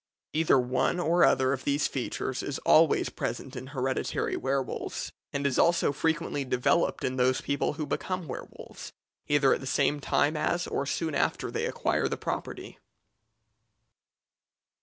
Either one or other of these features is always present in hereditary werwolves, and is also frequently developed in those people who become werwolves, either at the same time as or soon after they acquire the property.